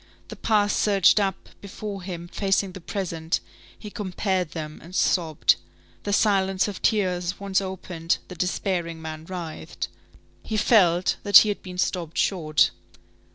The past surged up before him facing the present; he compared them and sobbed. The silence of tears once opened, the despairing man writhed. He felt that he had been stopped short.